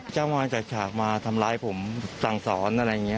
เจ้ามอนจัดฉากมาทำร้ายผมสั่งสอนอะไรอย่างนี้